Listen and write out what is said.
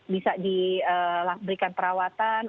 bisa diberikan perawatan